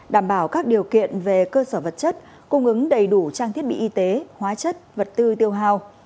đảm bảo các điều kiện về cơ sở vật chất cung ứng đầy đủ trang thiết bị y tế hóa chất vật tư tiêu hào